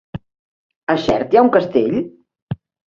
A Xert hi ha un castell?